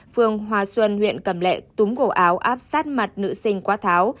phương hòa xuân huyện cẩm lệ túm cổ áo áp sát mặt nữ sinh quát tháo